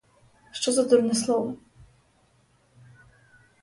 Що за дурне слово?